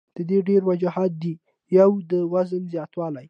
د دې ډېر وجوهات دي يو د وزن زياتوالے ،